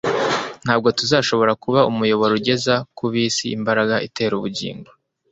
ntabwo tuzashobora kuba umuyoboro ugeza ku b'isi imbaraga itera ubugingo.